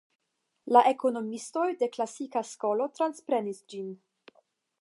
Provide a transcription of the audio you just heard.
La ekonomikistoj de la klasika skolo transprenis ĝin.